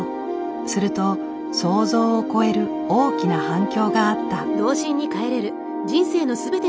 すると想像を超える大きな反響があった。